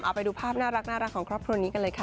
เอาไปดูภาพน่ารักของครอบครัวนี้กันเลยค่ะ